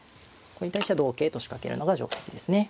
これに対しては同桂と仕掛けるのが定跡ですね。